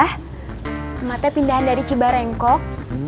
emaknya pindahan dari cibarengkok